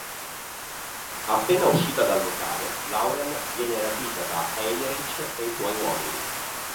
Appena uscita dal locale, Lauren viene rapita da Heinrich e i suoi uomini.